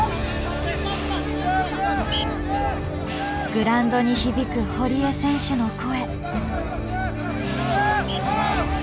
グラウンドに響く堀江選手の声。